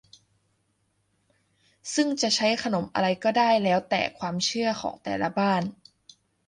ซึ่งจะใช้ขนมอะไรก็ได้แล้วแต่ความเชื่อของแต่ละบ้าน